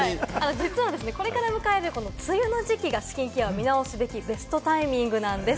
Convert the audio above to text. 実はですね、これから迎える梅雨の時期がスキンケアを見直すべきベストタイミングなんです。